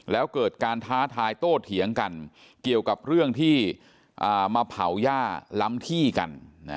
แล้วเกิดการท้าทายโตเถียงกันเกี่ยวกับเรื่องที่มาเผาย่าล้ำที่กัน